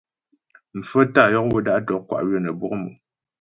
Mfaə́ tá yɔk wə́ da'tə́ wɔk kwá ywə́ nə́ bwɔk mò.